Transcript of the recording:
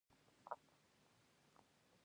هغه بيا په پېښور کې د نرسنګ زدکړې سرته ورسولې.